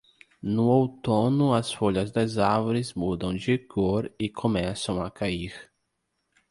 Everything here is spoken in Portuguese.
No outono as folhas das árvores mudam de cor e começam a cair